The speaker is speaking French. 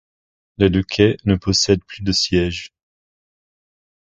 Les deux quais ne possèdent plus de sièges.